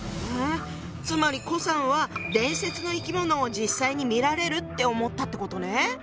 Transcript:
つまり顧さんは伝説の生き物を実際に見られるって思ったってことね。